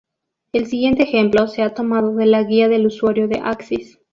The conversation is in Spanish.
El siguiente ejemplo se ha tomado de la guía del usuario de Axis.